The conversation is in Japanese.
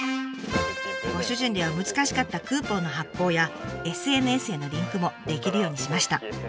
ご主人では難しかったクーポンの発行やＳＮＳへのリンクもできるようにしました。